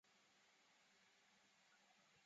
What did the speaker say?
该党的智库是国家战略中心。